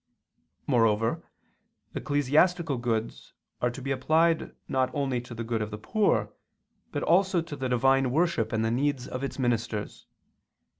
Moreover ecclesiastical goods are to be applied not only to the good of the poor, but also to the divine worship and the needs of its ministers.